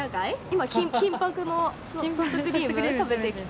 今金箔のソフトクリーム食べてきて。